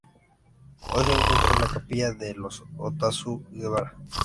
Hoy se encuentra en la Capilla de los Otazu-Guevara.